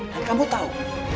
dan kamu tau